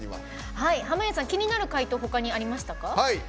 濱家さん気になる回答ほかにありましたか？